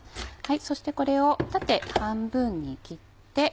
そしてこれを縦半分に切って。